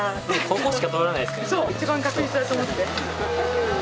一番確実だと思って。